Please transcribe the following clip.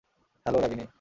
Hello, Ragini.